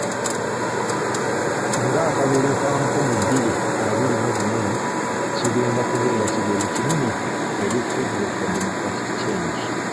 Nga akalulu ka nkumi bbiri abiri mu gumu kigenda kubeera kigezo kinene eri Federal for Democratic Change!